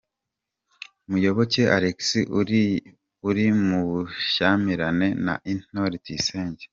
Muyoboke Alex uri mu bushyamirane na Intore Tuyisenge.